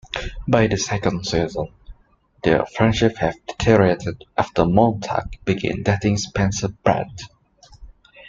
By the second season, their friendship had deteriorated after Montag began dating Spencer Pratt.